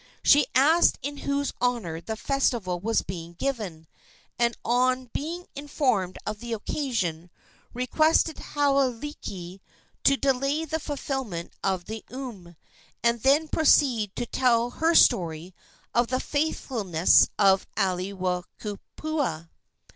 She asked in whose honor the festival was being given, and, on being informed of the occasion, requested Hauailiki to delay the fulfilment of the ume, and then proceeded to tell her story of the faithlessness of Aiwohikupua.